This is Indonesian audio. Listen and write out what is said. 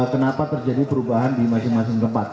kenapa terjadi perubahan di masing masing tempat